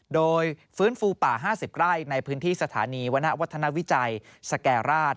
โดยฟื้นฟูป่า๕๐ไร่ในพื้นที่สถานีวรรณวัฒนวิจัยสแก่ราช